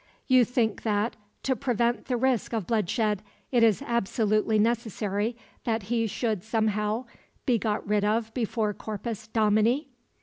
"You think that, to prevent the risk of bloodshed, it is absolutely necessary that he should somehow be got rid of before Corpus Domini?"